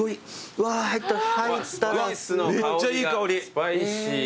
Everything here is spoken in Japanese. スパイシー。